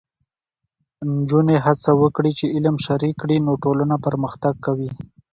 نجونې هڅه وکړي چې علم شریک کړي، نو ټولنه پرمختګ کوي.